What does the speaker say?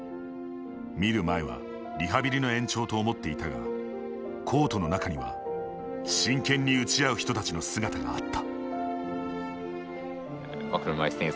見る前はリハビリの延長と思っていたがコートの中には真剣に打ち合う人たちの姿があった。